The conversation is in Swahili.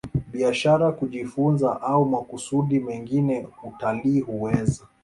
biashara kujifunza au makusudi mengine Utalii huweza